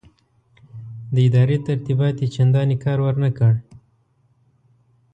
د ادارې ترتیبات یې چنداني کار ورنه کړ.